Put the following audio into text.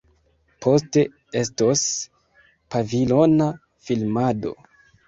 Poste estos pavilona filmado.